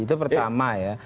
itu pertama ya